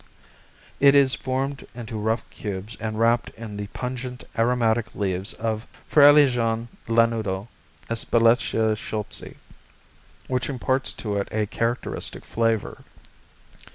It is formed into rough cubes and wrapped in the pungent, aromatic leaves of Frailejón Lanudo (Espeletia Schultzii) which imparts to it a characteristic flavor.